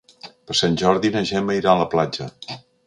Per Sant Jordi na Gemma irà a la platja.